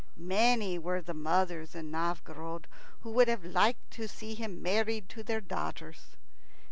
Many were the mothers in Novgorod who would have liked to see him married to their daughters.